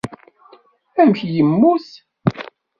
Amek i yemmut?